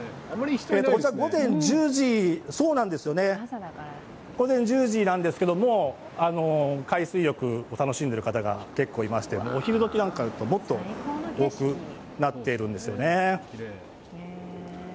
こちら、午前１０時なんですけど、もう海水浴を楽しんでる方が結構いまして、お昼どきですともっと多くなっているんですよね。